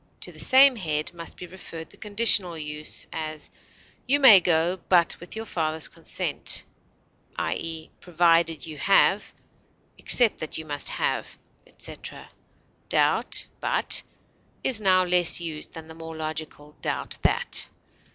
To the same head must be referred the conditional use; as, "you may go, but with your father's consent" (i. e., "provided you have," "except that you must have," etc.). "Doubt but" is now less used than the more logical "doubt that."